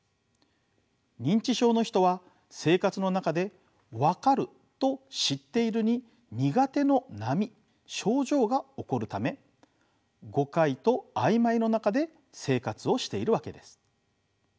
認知症の人は生活の中でわかると知っているに苦手の波症状が起こるため誤解と曖昧の中で生活をしているわけです。